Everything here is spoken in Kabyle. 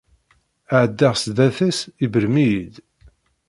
Ɛeddaɣ sdat-s, iberrem-iyi-d